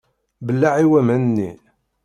Belleɛ i waman-nni!